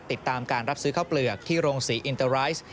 ติดตามการรับซื้อข้าวเปลือกที่โรงศรีอินเตอร์ไรซ์